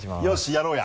やろうや。